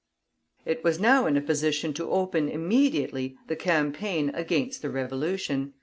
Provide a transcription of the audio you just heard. It was now in a position to open immediately the campaign against the Revolution.